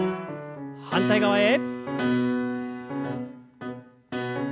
反対側へ。